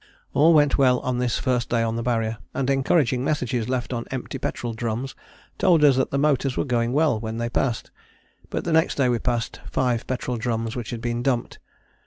All went well this first day on the Barrier, and encouraging messages left on empty petrol drums told us that the motors were going well when they passed. But the next day we passed five petrol drums which had been dumped.